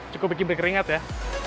cukup bikin berkeringat ya